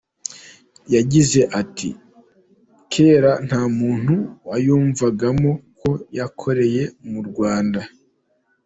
Yagize ati “Kera nta muntu wiyumvagamo ko yakorera mu Rwanda.